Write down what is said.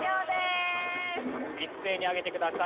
一斉に上げてください。